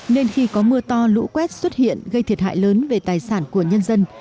nên khi có mưa to lũ quét xuất hiện gây thiệt hại lớn về tài sản của nhân dân